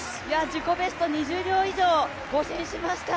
自己ベスト２０秒以上更新しました。